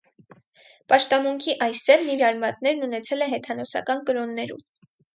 Պաշտամունքի այս ձևն իր արմատներն ունեցել է հեթանոսական կրոններում։